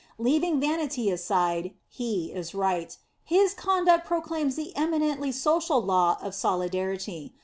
Leav ing vanity aside, m he is right. His conduct proclaims the eminently social law of solidar ity.